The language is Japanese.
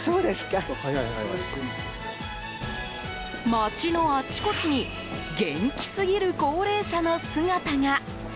街のあちこちに元気すぎる高齢者の姿が。